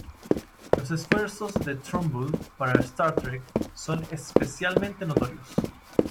Los esfuerzos de Trumbull para "Star Trek" son especialmente notorios.